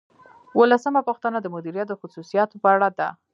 اوولسمه پوښتنه د مدیریت د خصوصیاتو په اړه ده.